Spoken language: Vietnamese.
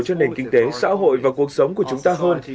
cho nền kinh tế xã hội và cuộc sống của chúng ta hơn